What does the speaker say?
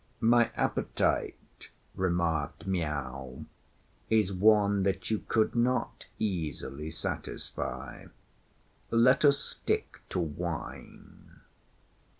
"My appetite," remarked Miao, "is one that you could not easily satisfy. Let us stick to wine."